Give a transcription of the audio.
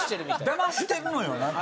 だましてるのよなんか。